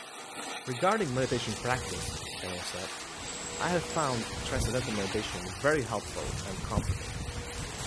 Regarding meditation practice, Danner said, I have found transcendental meditation very helpful and comforting.